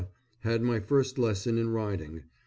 Had my first lesson in riding.